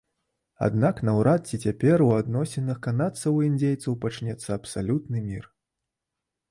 Аднак наўрад ці цяпер у адносінах канадцаў і індзейцаў пачнецца абсалютны мір.